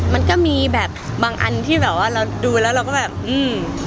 มันก็มีแบบบางอันที่แบบว่าเราดูแล้วเราก็แบบอืม